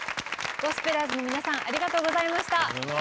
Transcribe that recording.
ゴスペラーズの皆さんありがとうございました。